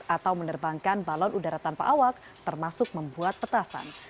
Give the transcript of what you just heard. atau menerbangkan balon udara tanpa awak termasuk membuat petasan